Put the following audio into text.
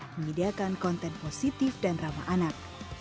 menyediakan konten positif dan ramah anak